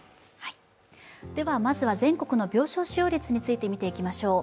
まずは全国の病床使用率について見ていきましょう。